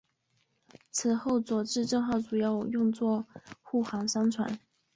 此后佐治镇号主要用作护航商船。